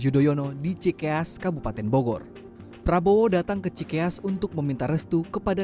yudhoyono di cikeas kabupaten bogor prabowo datang ke cikeas untuk meminta restu kepada